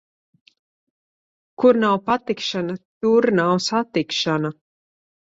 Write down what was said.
Kur nav patikšana, tur nav satikšana.